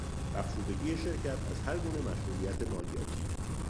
بخشودگی شرکت از هرگونه مشمولیت مالیاتی